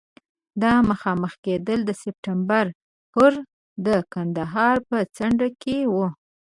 دا مخامخ کېدل د سپټمبر پر د کندهار په څنډو کې وو.